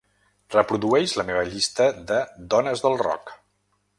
Reprodueix la meva llista de dones del rock.